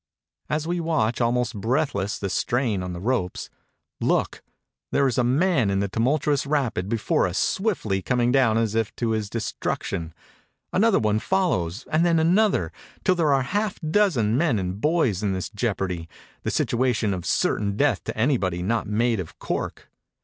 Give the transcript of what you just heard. As we watch almost breathless the strain on the ropes, look! there is a man in the tumultuous rapid before us swiftly coming down as if to his destruction. Another one fol lows, and then another, till there are half a dozen men and boys in this jeopardy, this situation of certain death to anybody not made of cork.